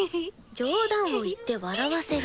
「冗談を言って笑わせる」。